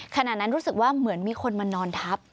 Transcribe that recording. ขณะนั้นรู้สึกว่าเหมือนมีคนมานอนทับ